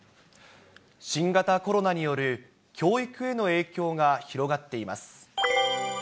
新型コロナによる教育への影響が広がっています。